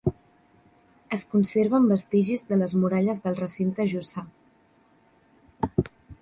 Es conserven vestigis de les muralles del recinte jussà.